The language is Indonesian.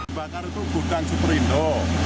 kebakar itu gudang superindo